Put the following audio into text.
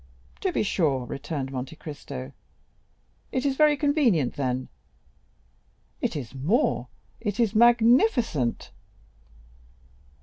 "To be sure," returned Monte Cristo; "it is very convenient, then?" "It is more—it is magnificent."